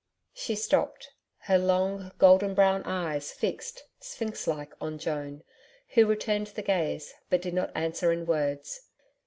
She stopped, her long golden brown eyes fixed Sphinx like on Joan, who returned the gaze, but did not answer in words.